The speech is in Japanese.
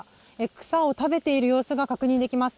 草を食べている様子が確認できます。